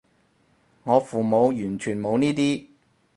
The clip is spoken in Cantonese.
我父母完全冇呢啲